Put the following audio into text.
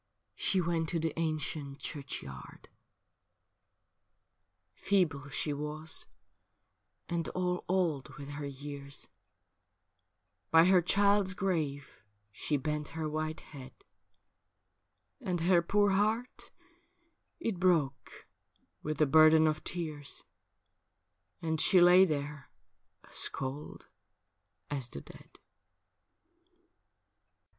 She went to the ancient churchyard. JEANNE BRAS 2} Feeble she was and all old with her years, By her child's grave she bent her white head ; And her poor heart it broke with the burden of tears, And she lay there as cold as the dead.